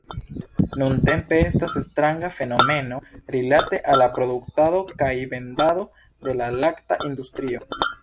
Nuntempe estas stranga fenomeno rilate al la produktado kaj vendado de la lakta industrio.